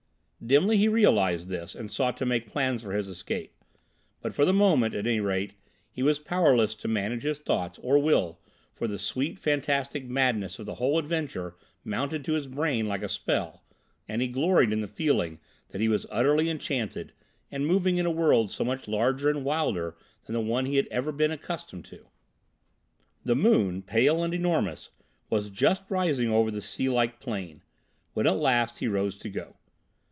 Dimly he realised this, and sought to make plans for his escape. But, for the moment at any rate, he was powerless to manage his thoughts or will, for the sweet, fantastic madness of the whole adventure mounted to his brain like a spell, and he gloried in the feeling that he was utterly enchanted and moving in a world so much larger and wilder than the one he had ever been accustomed to. The moon, pale and enormous, was just rising over the sea like plain, when at last he rose to go.